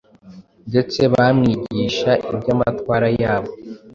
ndetse bamwigisha iby’amatwara yabo.